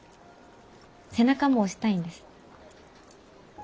背中も押したいんです。